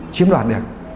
chiếm đoạt được